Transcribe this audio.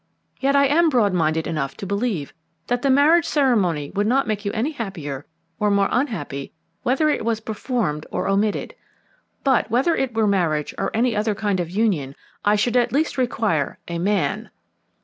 Yet I am broad minded enough to believe that the marriage ceremony would not make you any happier or more unhappy whether it was performed or omitted. But, whether it were marriage or any other kind of union, I should at least require a man."